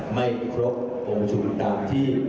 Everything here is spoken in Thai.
ไม่ครบองค์ประชุมตามที่